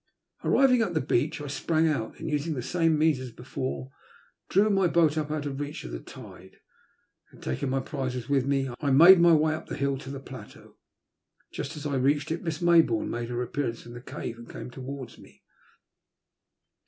Arriving [at the beach I sprang out, and, using the same means as before, drew my boat up out of reach of the tide. Then, taking my prizes with me, I made my way up the hill side to the plateau. Just as I reached it, Miss Mayboume made her appearance from the cave and came towards me.